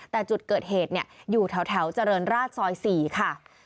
แต่จุดเกิดเหตุอยู่แถวเจริญราชซอย๔ค่ะ